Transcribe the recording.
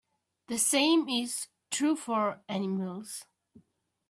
The same is true for animals.